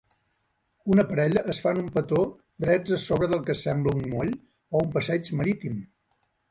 Una parella es fan un petó drets a sobre del que sembla un moll o un passeig marítim.